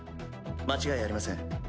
間違いありません。